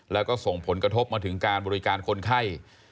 แล้วก็ส่งผลกระทบมาถึงการบริการคนไข้